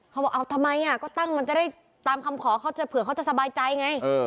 เขาบอกเอาทำไมก็ตั้งมันจะได้ตามคำขอเขาจะเผื่อเขาจะสบายใจไง